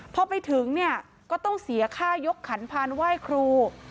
พอไปถึงเนี่ยก็ต้องเสียค่ายกขันพานไหว้ครู